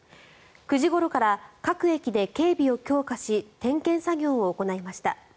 ９時ごろから各駅で警備を強化し点検作業を行いました。